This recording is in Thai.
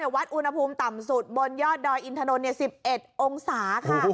วัดอุณหภูมิต่ำสุดบนยอดดอยอินถนน๑๑องศาค่ะ